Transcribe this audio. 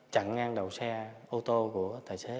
chặn ngang đầu xe ô tô của tài xế